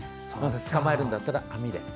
捕まえるんだったら網で。